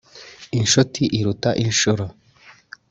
inshuti iruta inshuro